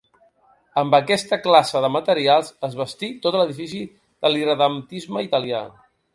Amb aquesta classe de materials es bastí tot l'edifici de l'irredemptisme italià.